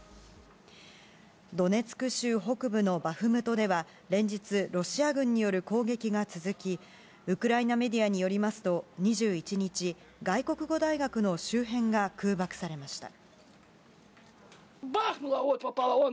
ドネツク州北部のバフムトでは連日、ロシア軍による攻撃が続き、ウクライナメディアによりますと、２１日、外国語大学の周辺が空爆されました。